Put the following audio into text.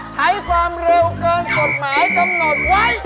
ใช้ความเร็วเกินกฎหมายกำหนดไว้